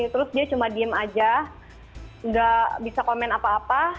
terus dia cuma diem aja nggak bisa komen apa apa